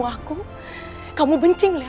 dan papa akan melindungi cherry